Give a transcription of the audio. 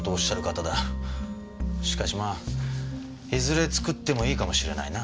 しかしまあいずれ造ってもいいかもしれないな。